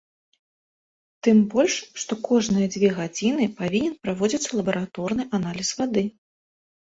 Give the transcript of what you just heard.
Тым больш што кожныя дзве гадзіны павінен праводзіцца лабараторны аналіз вады.